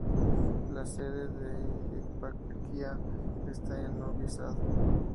La sede de la eparquía está en Novi Sad.